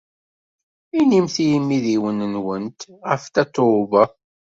Inimt i yimidiwen-nwent ɣef Tatoeba.